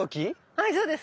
はいそうです